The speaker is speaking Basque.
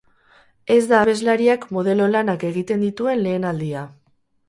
Ez da abeslariak modelo lanak egiten dituen lehen aldia.